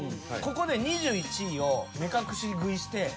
ここで２１位を目隠し食いして。